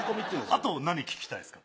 あと何聞きたいですか？